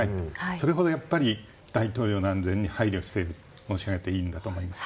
それほど大統領の安全に配慮していると考えていいと思います。